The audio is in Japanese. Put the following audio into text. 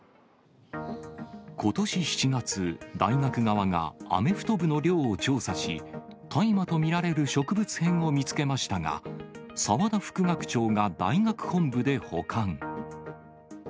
ことし７月、大学側がアメフト部の寮を調査し、大麻と見られる植物片を見つけましたが、澤田副学長が大学本部で保管。